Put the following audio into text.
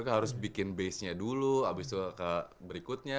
harus bikin basenya dulu abis itu ke berikutnya